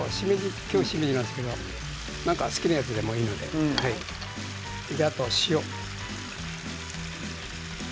今日は、しめじなんですけれど好きなやつでもいいのではい。